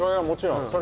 もちろん。